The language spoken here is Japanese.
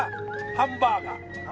ハンバーガー！